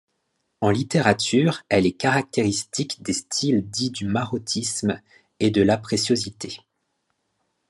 En littérature, elle est caractéristique des styles dits du marotisme et de la préciosité.